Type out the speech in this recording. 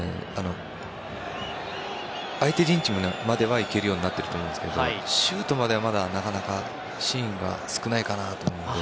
相手陣地までは行けるようになってきたと思うんですけどシュートまでは、まだなかなか、そのシーンが少ないかなと思うので。